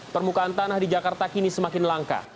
permukaan tanah di jakarta kini semakin langka